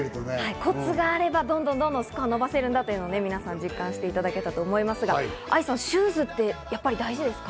コツがあれば、どんどんどんどんスコアを伸ばせるんだと皆さん実感したと思うんですが、愛さん、シューズってやっぱり大事ですか？